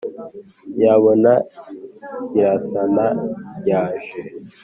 yabona kirasana yaje,